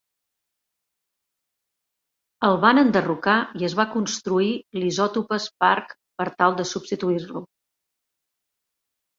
El van enderrocar i es va construir l'Isotopes Park per tal de substituir-lo.